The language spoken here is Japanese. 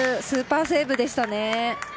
スーパーセーブでしたね。